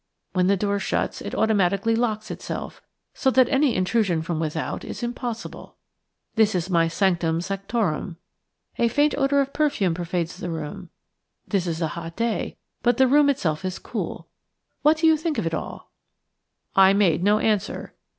When the door shuts it automatically locks itself, so that any intrusion from without is impossible. This is my sanctum sanctorum – a faint odour of perfume pervades the room. This is a hot day, but the room itself is cool. What do you think of it all?" I made no answer.